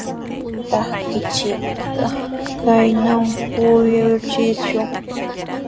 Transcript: Trakinchikta kaynaw kuyuchishun.